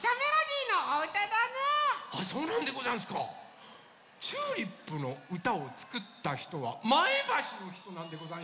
あっそうなんでござんすか！「チューリップ」のうたをつくったひとは前橋のひとなんでござんしょ？ね？